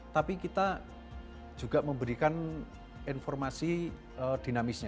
tapi kita juga memberikan informasi dinamisnya